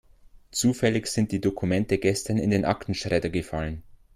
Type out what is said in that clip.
Zufällig sind die Dokumente gestern in den Aktenschredder gefallen.